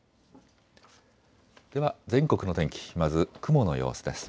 では全国の天気、まず雲の様子です。